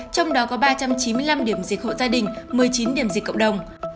trong đó có ba trăm chín mươi năm điểm dịch hộ gia đình một mươi chín điểm dịch cộng đồng